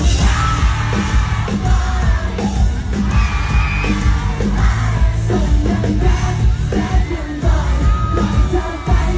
ทำไมชีวิตผมมันเกร็ดหน่อยแยกใหม่